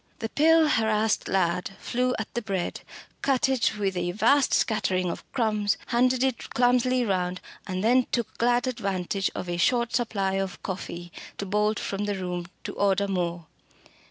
The pale, harassed lad flew at the bread, cut it with a vast scattering of crumbs, handed it clumsily round, and then took glad advantage of a short supply of coffee to bolt from the room to order more.